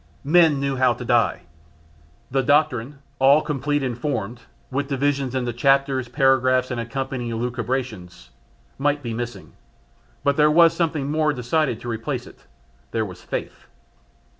Men knew how to die. The doctrine all complete and formed, with divisions into chapters, paragraphs, and accompanying elucubrations might be missing; but there was something more decided to replace it, there was faith.